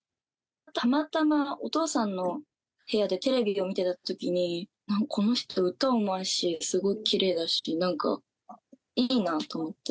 たまたまお父さんの部屋でテレビを見ていた時にこの人歌うまいしすごいきれいだしなんかいいなと思って。